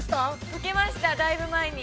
◆解けました、だいぶ前に。